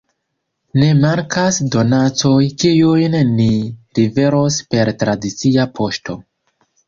Ne mankas donacoj, kiujn ni liveros per tradicia poŝto.